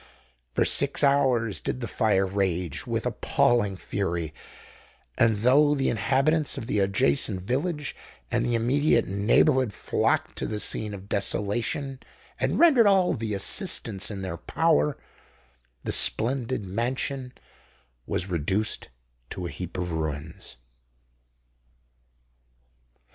For six hours did the fire rage with appalling fury; and though the inhabitants of the adjacent village and the immediate neighbourhood flocked to the scene of desolation and rendered all the assistance in their power, the splendid mansion was reduced to a heap of ruins.